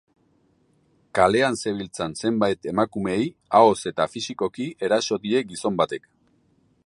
Kalean zebiltzan zenbait emakumeei ahoz eta fisikoki eraso die gizon batek.